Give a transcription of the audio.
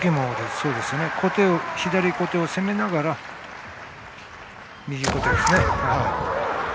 左小手を攻めながら右小手ですね。